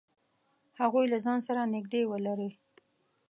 هغوی له ځان سره نږدې ولری.